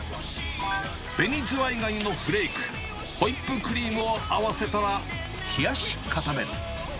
紅ズワイガニのフレーク、ホイップクリームを合わせたら冷やし固める。